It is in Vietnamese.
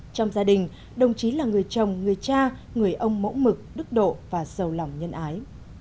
trong gia đình đồng chí là người chồng người cha người ông mẫu mực đức độ và sâu lòng nhân ái